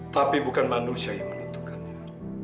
tapi bukan manusia yang menentukannya